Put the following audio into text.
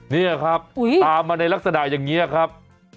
นี่ครับตามมาในลักษณะอย่างนี้ครับ